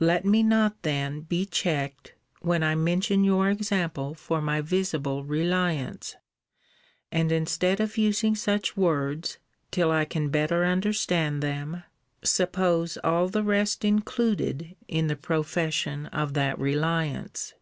Let me not then be checked, when I mention your example for my visible reliance; and instead of using such words, till I can better understand them, suppose all the rest included in the profession of that reliance.